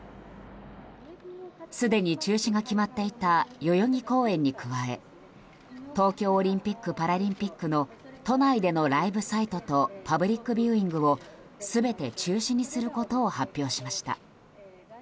すでに中止が決まっていた代々木公園に加え東京オリンピック・パラリンピックの都内でのライブサイトとパブリックビューイングを全て中止にすることを発表しました。